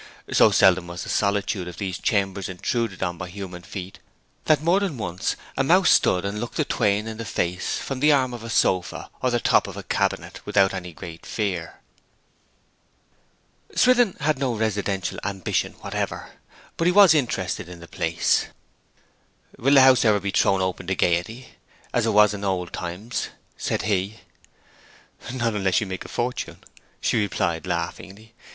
So seldom was the solitude of these chambers intruded on by human feet that more than once a mouse stood and looked the twain in the face from the arm of a sofa, or the top of a cabinet, without any great fear. Swithin had no residential ambition whatever, but he was interested in the place. 'Will the house ever be thrown open to gaiety, as it was in old times?' said he. 'Not unless you make a fortune,' she replied laughingly.